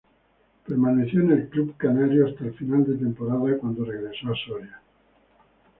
Permaneció en el club canario hasta el final de temporada, cuando regresó a Soria.